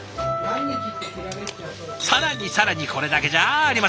更に更にこれだけじゃありません。